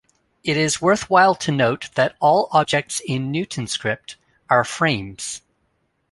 It is worthwhile to note that all objects in NewtonScript are frames.